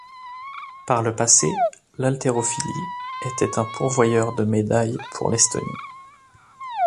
Par le passé l'Haltérophilie était un pourvoyeur de médailles pour l'Estonie.